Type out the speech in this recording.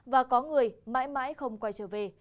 và có người mãi mãi không quay trở về